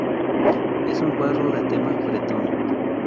Es un cuadro de tema bretón.